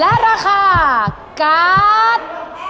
และราคาการ์ด